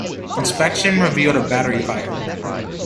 Inspection revealed a battery fire.